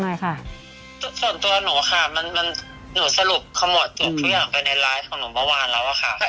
ส่วนตัวหนูค่ะหนูสรุปข้อมูลทุกอย่างไปในไลฟ์ของหนูเมื่อวานแล้วค่ะ